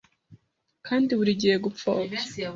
Kandi burigihe gupfobya